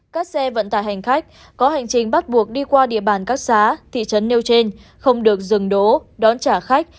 các xe vận tải hành khách có hành trình bắt buộc đi qua địa bàn các xã thị trấn nêu trên không được dừng đỗ đón trả khách